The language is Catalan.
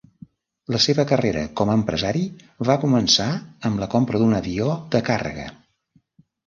La seva carrera com a empresari va començar amb la compra d'un avió de càrrega.